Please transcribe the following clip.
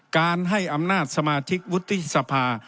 การให้อำนาจสมาชิกวุฒิสภา